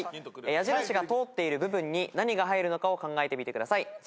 矢印が通っている部分に何が入るのかを考えてみてください。